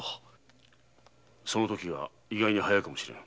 その時が意外に早いかもしれぬ。